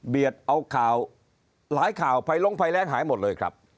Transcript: เอาข่าวหลายข่าวภัยลงภัยแรงหายหมดเลยครับ